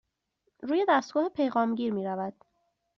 روی دستگاه پیغام گیر می رود.